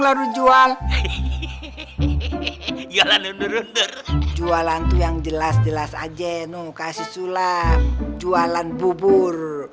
lalu jual hehehe jualan undur undur jualan tuh yang jelas jelas aja no kasih sulap jualan bubur